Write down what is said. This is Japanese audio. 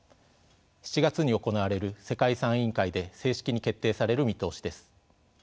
７月に行われる世界遺産委員会で正式に決定される見通しです。